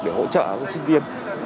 để hỗ trợ sinh viên